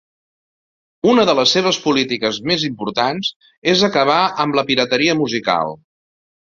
Una de les seves polítiques més importants és acabar amb la pirateria musical.